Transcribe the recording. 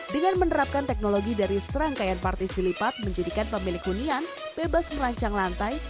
dengan menerapkan teknologi dari serangkaian partisi lipat menjadikan pemilik hunian bebas merancang lantai